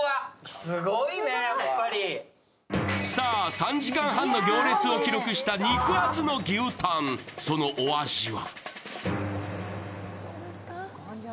３時間半の行列を記録した肉厚の牛たん、そのお味は？